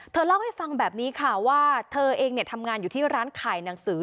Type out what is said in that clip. เล่าให้ฟังแบบนี้ค่ะว่าเธอเองทำงานอยู่ที่ร้านขายหนังสือ